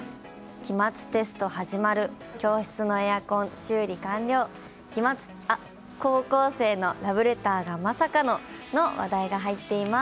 「期末テスト始まる」「教室のエアコン、修理完了」「高校生のラブレターがまさか」の話題が入っています。